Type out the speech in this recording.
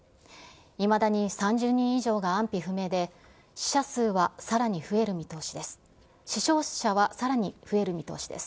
いまだに３０人以上が安否不明で、死者数はさらに増える見通しです。